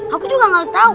aku juga gak tau